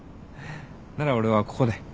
なら俺はここで。